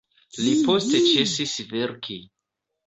Li poste ĉesis verki.